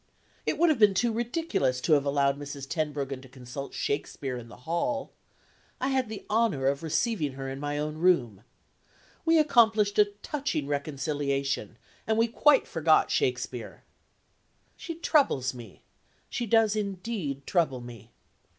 It would have been too ridiculous to have allowed Mrs. Tenbruggen to consult Shakespeare in the hall. I had the honor of receiving her in my own room. We accomplished a touching reconciliation, and we quite forgot Shakespeare. She troubles me; she does indeed trouble me.